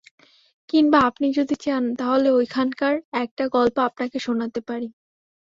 কিংবা আপনি যদি চান তাহলে ঐখানকার একটা গল্প আপনাকে শোনাতেও পারি।